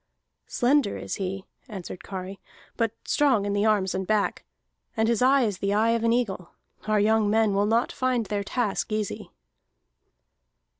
"Slender is he," answered Kari, "but strong in the arms and back, and his eye is the eye of an eagle. Our young men will not find their task easy."